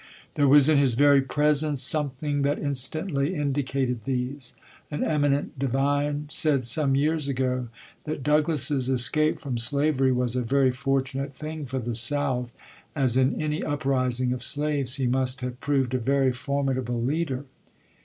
There was in his very presence something that instantly indicated these. An eminent divine said some years ago that Douglass's escape from slavery was a very fortunate thing for the South, as in any uprising of slaves he must have proved a very formidable leader.